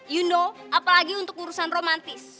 you know apalagi untuk urusan romantis